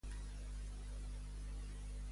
De què va incriminar Maduro?